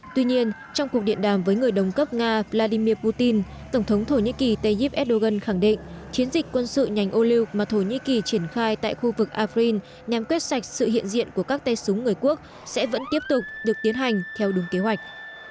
tuy nhiên trong cuộc điện đàm với người đồng cấp nga vladimir putin tổng thống thổ nhĩ kỳ tayyip erdogan khẳng định chiến dịch quân sự ngành ô lưu mà thổ nhĩ kỳ triển khai tại khu vực afrin nhằm quét sạch sự hiện diện của các tay súng người quốc sẽ vẫn tiếp tục được tiến hành theo đúng kế hoạch